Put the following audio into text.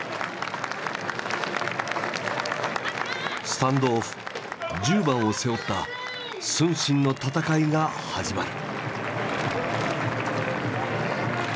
スタンドオフ１０番を背負った承信の戦いが始まる。